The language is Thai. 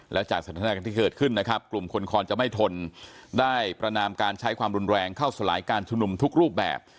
และจากสถานการณ์ที่เกิดขึ้นนะครับกลุ่มคนคอนจะไม่ทนได้ประนามการใช้ความรุนแรงเข้าสลายการชุมนุมทุกรูปแบบ